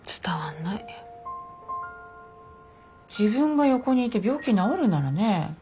自分が横にいて病気治るならね。